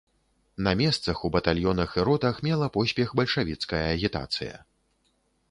На месцах, у батальёнах і ротах мела поспех бальшавіцкая агітацыя.